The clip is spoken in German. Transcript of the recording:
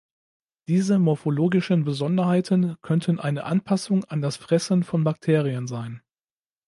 Diese morphologischen Besonderheiten könnten eine Anpassung an das Fressen von Bakterien sein.